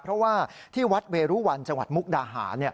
เพราะว่าที่วัดเวรุวันจังหวัดมุกดาหาร